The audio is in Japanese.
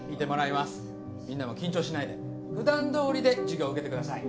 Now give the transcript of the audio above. みんなは緊張しないで普段どおりで授業受けてください。